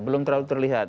belum terlalu terlihat